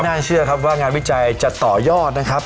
น่าเชื่อครับว่างานวิจัยจะต่อยอดนะครับ